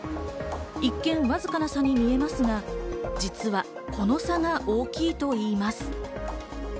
一見わずかな差に見えますが、実はこの差が大きいといいます。